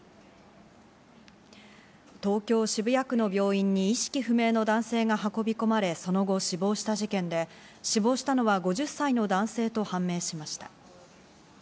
東京・渋谷区の病院に意識不明の男性が運び込まれ、その後死亡した事件で、死亡したのは５０歳の男性と判明しました。